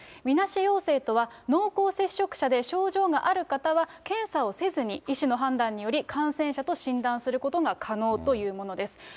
みなし陽性とは、濃厚接触者で症状がある方は、検査をせずに医師の判断により、感染者と診断することが可能というものです。